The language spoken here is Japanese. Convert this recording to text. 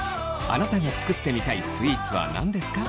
あなたが作ってみたいスイーツは何ですか？